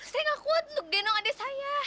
saya nggak kuat untuk denong adik saya